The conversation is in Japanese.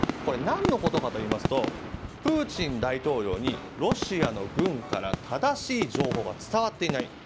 何のことかといいますとプーチン大統領にロシアの軍から正しい情報が伝わっていない。